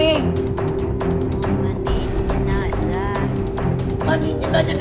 dia jenanya ngcomel ngcomel keeper sih ada